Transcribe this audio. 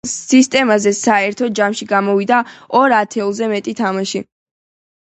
სისტემაზე საერთო ჯამში გამოვიდა ორ ათეულზე მეტი თამაში.